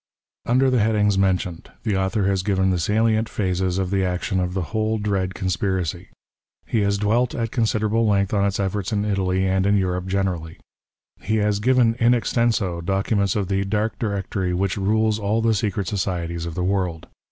Under the headings mentioned, the author has given the salient phases of the action of the whole dread XIV PREFACE. conspiracy. He has dwelt at considerable length on its efforts in Italy and in Europe generally. He has given in extenso documents of the dark directory which rules all the secret societies of the world.